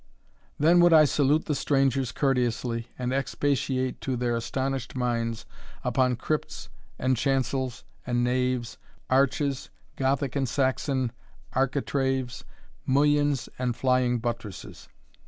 Then would I salute the strangers courteously, and expatiate to their astonished minds upon crypts and chancels, and naves, arches, Gothic and Saxon architraves, mullions and flying buttresses.